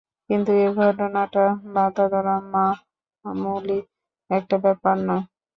কিন্তু এ ঘটনাটা বাঁধা-ধরা মামুলি একটা ব্যাপার নয়।